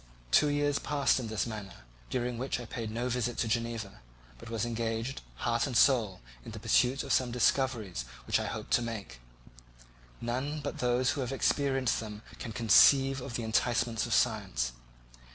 Two years passed in this manner, during which I paid no visit to Geneva, but was engaged, heart and soul, in the pursuit of some discoveries which I hoped to make. None but those who have experienced them can conceive of the enticements of science.